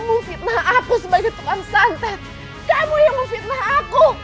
muhammadnothing tantang kamu ingin sehr aku